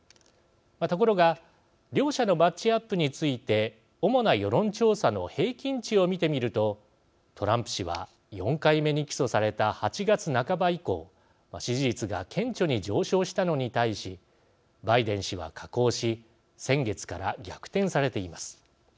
ところが両者のマッチアップについて主な世論調査の平均値を見てみると、トランプ氏は４回目に起訴された８月半ば以降、支持率が顕著に上昇したのに対しバイデン氏は下降し先月から逆転されています。